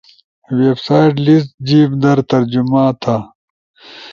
ویب سائتٹ لیس جیِب در ترجمہ تا